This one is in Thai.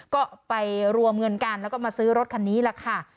ก็ไปรวมเงินกันแล้วก็มาซื้อรถคันนี้แหละค่ะ